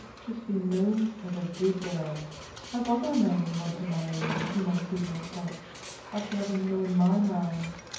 Just be known as a good girl. Have other men want to marry me, whom I could not touch, after having known my man.